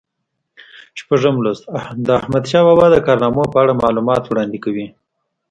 شپږم لوست د احمدشاه بابا د کارنامو په اړه معلومات وړاندې کوي.